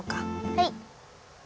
はい！